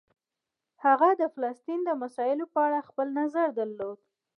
هغه د فلسطین د مسایلو په اړه خپل نظر درلود.